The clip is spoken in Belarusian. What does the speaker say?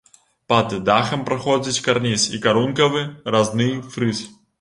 Пад дахам праходзіць карніз і карункавы разны фрыз.